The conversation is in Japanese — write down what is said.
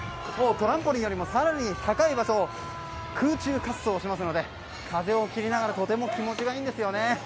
トランポリンよりも更に高い場所を空中滑走しますので風を切りながらとても気持ちがいいんですよね。